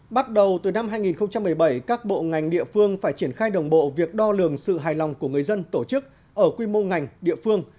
bắt đầu từ năm hai nghìn một mươi bảy các bộ ngành địa phương phải triển khai đồng bộ việc đo lường sự hài lòng của người dân tổ chức ở quy mô ngành địa phương